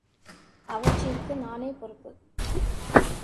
அவற்றிற்கு நானே பொறுப்பு.